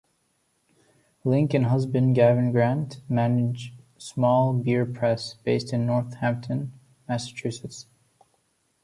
Link and husband Gavin Grant manage Small Beer Press, based in Northampton, Massachusetts.